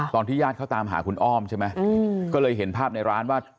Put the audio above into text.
ตอนที่ญาติเขาตามหาคุณอ้อมใช่ไหมก็เลยเห็นภาพในร้านว่า